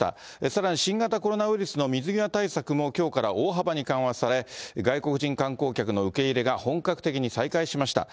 さらに新型コロナウイルスの水際対策もきょうから大幅に緩和され、外国人観光客の受け入れが本格的に再開しました。